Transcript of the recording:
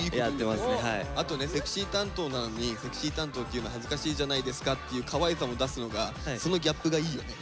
あとね「セクシー担当なのにセクシー担当って言うの恥ずかしいじゃないですか」っていうかわいさも出すのがそのギャップがいいよね。